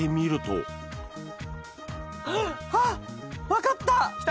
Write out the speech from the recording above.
はっ分かった！